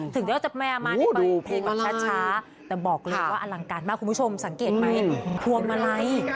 ถึงที่เราจะแม่มาเนี่ยไปเพลงกันช้าแต่บอกเลยอลังการมากคุณผู้ชมสังเกตไหมภวมมาลัย